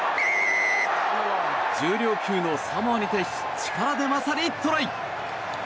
重量級のサモアに対し力で勝り、トライ。